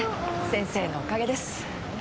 先生のおかげです。